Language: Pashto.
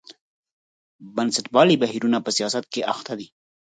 بنسټپالي بهیرونه په سیاست کې اخته دي.